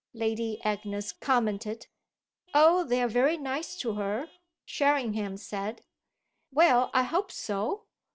Lady Agnes commented. "Oh they're very nice to her," Sherringham said. "Well, I hope so!"